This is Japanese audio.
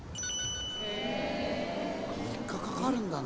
３日かかるんだね。